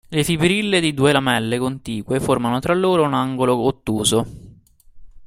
Le fibrille di due lamelle contigue formano tra loro un angolo ottuso.